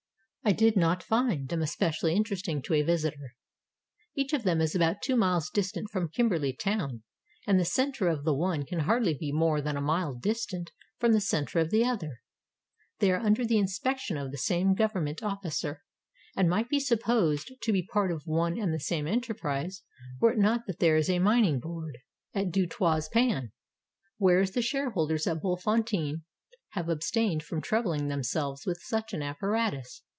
I did not find them especially interesting to a visitor. Each of them is about two miles distant from Kimberley town, and the center of the one can hardly be more than a mile distant from the center of the other. They are under the inspection of the same Government officer, and might be supposed to be part of one and the same enterprise were it not that there is a Mining Board 444 THE DIAMOND FIELDS OF SOUTH AFRICA at Du Toit's Pan, whereas the shareholders at Bultfon tein have abstained from troubling themselves with such an apparatus.